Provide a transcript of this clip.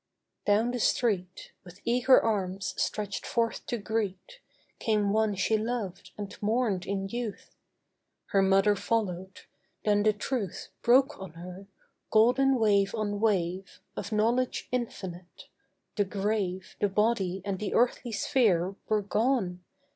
Down the street, With eager arms stretched forth to greet, Came one she loved and mourned in youth; Her mother followed; then the truth Broke on her, golden wave on wave, Of knowledge infinite. The grave, The body and the earthly sphere Were gone!